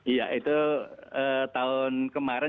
iya itu tahun kemarin